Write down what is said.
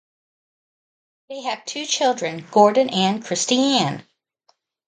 They have two children, Gordon and Kristi-Anne.